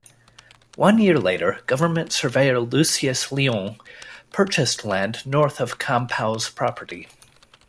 One year later, government surveyor Lucius Lyon purchased land north of Campau's property.